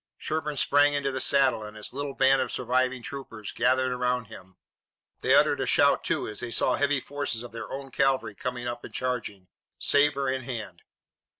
Sherburne sprang into the saddle and his little band of surviving troopers gathered around him. They uttered a shout, too, as they saw heavy forces of their own cavalry coming up and charging, sabre in hand.